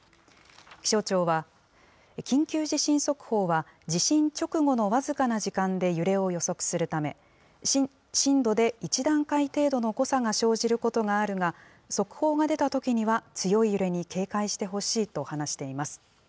気象庁は、緊急地震速報は地震直後の僅かな時間で揺れを予測するため、震度で１段階程度の誤差が生じることがあるが、速報が出たときには、強い揺れに警戒してほしいと話しています。